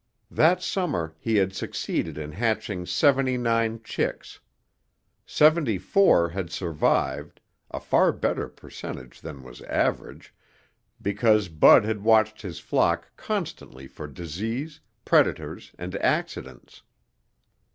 That summer he had succeeded in hatching seventy nine chicks. Seventy four had survived, a far better percentage than was average, because Bud had watched his flock constantly for disease, predators and accidents.